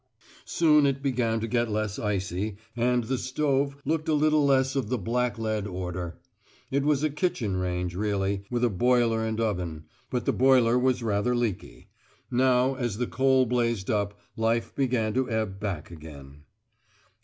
Soon it began to get less icy, and the stove looked a little less of the blacklead order. It was a kitchen range really, with a boiler and oven; but the boiler was rather leaky. Now, as the coal blazed up, life began to ebb back again.